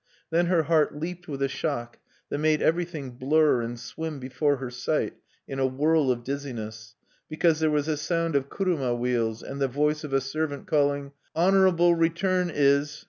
Then her heart leaped with a shock that made everything blur and swim before her sight in a whirl of dizziness, because there was a sound of kuruma wheels and the voice of a servant calling: "_Honorable return is!